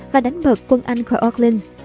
và đánh bật quân anh khỏi orklyne